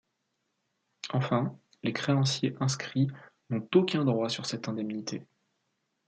Enfin, les créanciers inscrits n'ont aucun droit sur cette indemnité'.